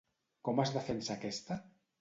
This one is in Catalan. Com es defensa aquesta?